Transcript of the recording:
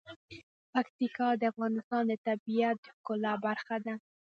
پکتیکا د افغانستان د طبیعت د ښکلا برخه ده.